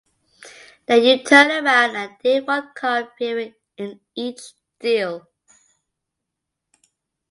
Then you turn around and deal one card fewer in each deal.